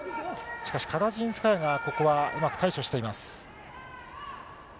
しかし、カラジンスカヤがここはうまく対処しています。